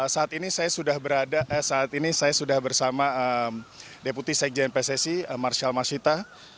saat ini saya sudah bersama deputi sekjen pssi marshall masita